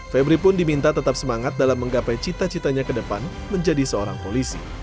febri pun diminta tetap semangat dalam menggapai cita citanya ke depan menjadi seorang polisi